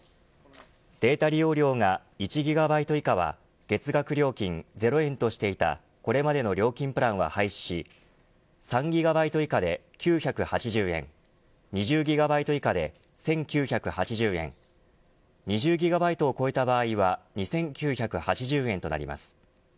データ利用量が１ギガバイト以下は月額料金０円としていたこれまでの料金プランは廃止し３ギガバイト以下で９８０円２０ギガバイト以下で１９８０円２０ギガバイトを超えた場合は２９８０円となります。